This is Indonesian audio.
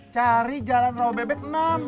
cari jalan roh bebek enam